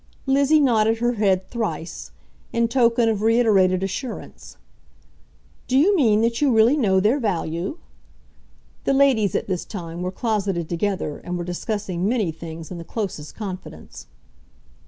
Lizzie nodded her head thrice, in token of reiterated assurance. "Do you mean that you really know their value?" The ladies at this time were closeted together, and were discussing many things in the closest confidence.